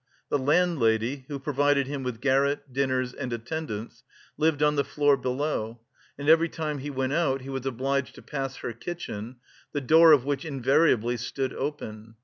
The landlady who provided him with garret, dinners, and attendance, lived on the floor below, and every time he went out he was obliged to pass her kitchen, the door of which invariably stood open.